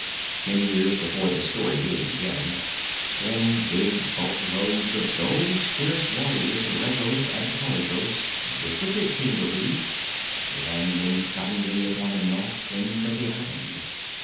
Many years before this story really begins, ten big boatloads of those fierce warriors of Regos and Coregos visited Pingaree, landing suddenly upon the north end of the island.